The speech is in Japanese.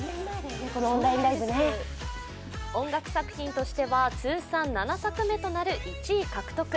音楽作品としては通算７作目となる１位獲得。